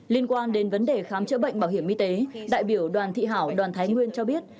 liên quan đến vấn đề khám chữa bệnh bảo hiểm y tế đại biểu đoàn thị hảo đoàn thái nguyên cho biết